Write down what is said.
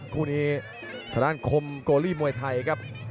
คู่นี้ทนคมโกรีมวยไทยครับ